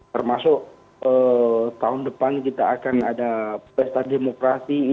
termasuk tahun depan kita akan ada pesta demokrasi